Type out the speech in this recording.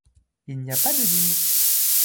Il n’y a pas de bise.